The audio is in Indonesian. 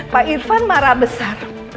pak irfan marah besar